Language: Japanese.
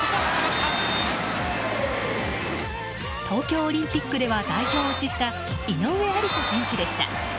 東京オリンピックでは代表落ちした井上愛里沙選手でした。